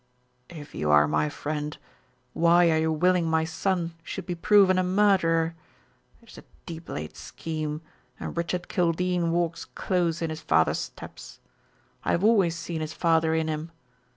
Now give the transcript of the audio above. "If you are my friend, why are you willing my son should be proven a murderer? It is a deep laid scheme, and Richard Kildene walks close in his father's steps. I have always seen his father in him.